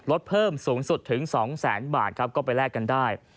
รถเพิ่มสูงสุดถึง๒๐๐๐๐๐บาทก็ไปแลกกันได้